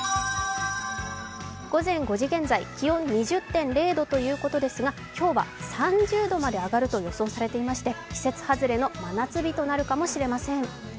午前５時現在、気温２０．０度ということですが、今日は３０度まで上がると予想されていまして、季節はずれの真夏日となるかもしれません。